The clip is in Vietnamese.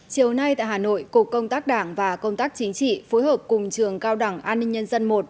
chiều nay tại hà nội cục công tác đảng và công tác chính trị phối hợp cùng trường cao đẳng an ninh nhân dân i